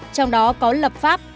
trong đó có lập pháp